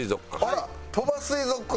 あら！鳥羽水族館！